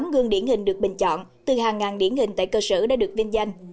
bốn mươi tám gương điển hình được bình chọn từ hàng ngàn điển hình tại cơ sở đã được vinh danh